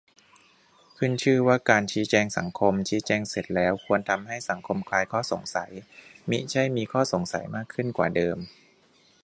ขึ้นชื่อว่าการ "ชี้แจงสังคม" ชี้แจงเสร็จแล้วควรทำให้สังคมคลายข้อสงสัย มิใช่มีข้อสงสัยมากขึ้นกว่าเดิม